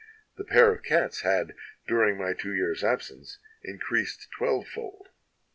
The pair of cats had, during my two years' absence, increased twelvefold.